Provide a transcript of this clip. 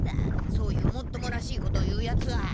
そういうもっともらしいことを言うヤツは。